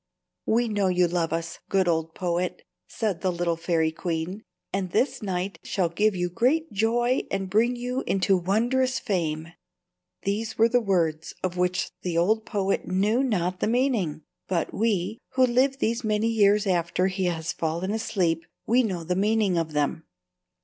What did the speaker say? "We know you love us, good old poet," said the little fairy queen, "and this night shall give you great joy and bring you into wondrous fame." These were words of which the old poet knew not the meaning; but we, who live these many years after he has fallen asleep, we know the meaning of them.